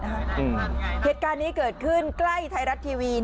เหตุการณ์นี้เกิดขึ้นใกล้ไทยรัฐทีวี